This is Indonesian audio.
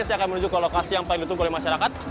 saya akan menuju ke lokasi yang paling ditunggu oleh masyarakat